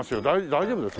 大丈夫です？